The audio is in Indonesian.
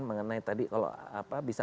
mengenai tadi kalau bisa